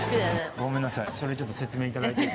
ごめんなさい。